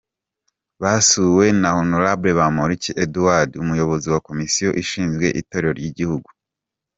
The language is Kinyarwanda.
Basuwe na Hon Bamporiki Edouard, umuyobozi wa komisiyo ishinzwe itorero ry'igihugu.